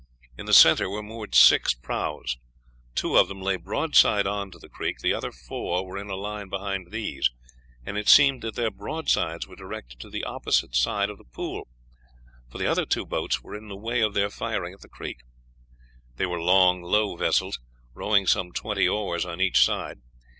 In the center were moored six prahus. Two of them lay broadside on to the creek, the other four were in a line behind these, and it seemed that their broadsides were directed to the opposite side of the pool, for the other two boats were in the way of their firing at the creek. They were long, low vessels, rowing some twenty oars on each side.